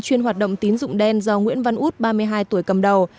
chuyên hoạt động tín dụng đen do nguyễn văn út ba mươi hai tuổi cầm đầu